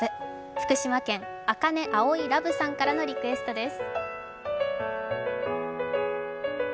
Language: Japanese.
福島県、あかねあおいＬｏｖｅさんからのリクエストです。